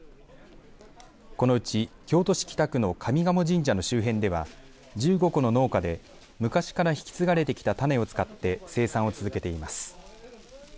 このうち京都市北区の上賀茂神社の周辺では１５戸の農家で昔から引き継がれてきた種を使ってる生産を続けています。